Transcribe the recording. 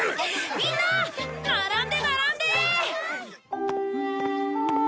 みんな並んで並んで！